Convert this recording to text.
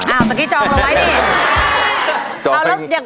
อ้าวตะกี้จองลงไว้นี่